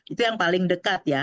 itu yang paling dekat ya